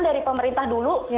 dari pemerintah dulu